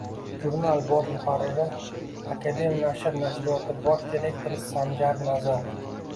Jurnal bosh muharriri, «Akademnashr» nashriyoti bosh direktori Sanjar Nazar